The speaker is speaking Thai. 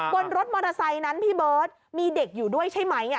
บนรถมอเตอร์ไซค์นั้นพี่เบิร์ตมีเด็กอยู่ด้วยใช่ไหม